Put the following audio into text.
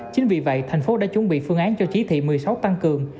chính vì vậy thành phố đã chuẩn bị phương án cho chỉ thị một mươi sáu tăng cường